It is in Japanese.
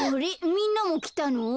みんなもきたの？